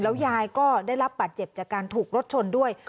ยายก็ได้รับบาดเจ็บจากการถูกรถชนด้วย